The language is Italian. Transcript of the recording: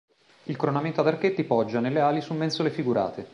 Il coronamento ad archetti poggia, nelle ali, su mensole figurate.